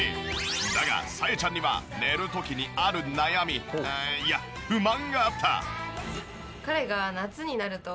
だがさえちゃんには寝る時にある悩みいや不満があった！